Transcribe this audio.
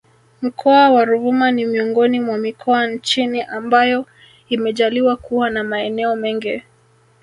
Mkoa wa Ruvuma ni miongoni mwa mikoa nchini ambayo imejaliwa kuwa na maeneo mengi